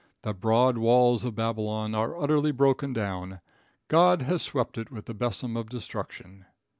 The broad walls of Babylon are utterly broken down. God has swept it with the besom of destruction."